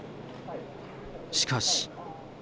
しかし。